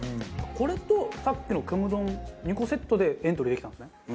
これとさっきの虚無丼２個セットでエントリーできたんですね。